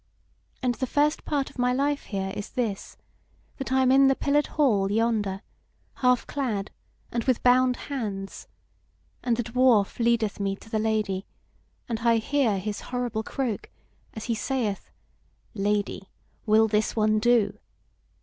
And the first part of my life here is this, that I am in the pillared ball yonder, half clad and with bound hands; and the Dwarf leadeth me to the Lady, and I hear his horrible croak as he sayeth: 'Lady, will this one do?'